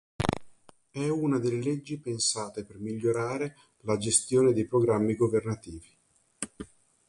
È una delle leggi pensate per migliorare la gestione dei programmi governativi.